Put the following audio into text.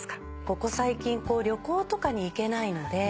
ここ最近旅行とかに行けないので。